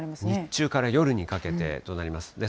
日中から夜にかけてとなります。